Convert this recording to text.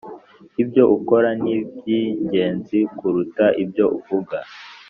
ibyo ukora nibyingenzi kuruta ibyo uvuga